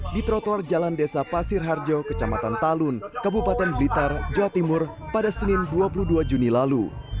di trotoar jalan desa pasir harjo kecamatan talun kabupaten blitar jawa timur pada senin dua puluh dua juni lalu